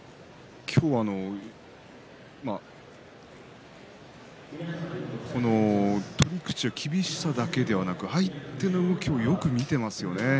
今日は取り口の厳しさだけじゃなく相手の動きをよく見ていますね。